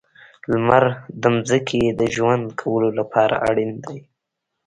• لمر د ځمکې د ژوند کولو لپاره اړین دی.